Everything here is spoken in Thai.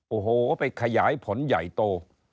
โอ้โหไปขยายผลใหญ่โต